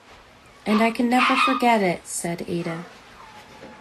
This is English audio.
"And I can never forget it," said Ada.